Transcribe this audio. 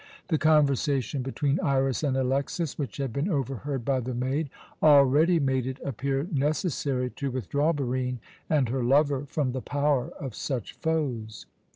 The conversation between Iras and Alexas, which had been overheard by the maid, already made it appear necessary to withdraw Barine and her lover from the power of such foes.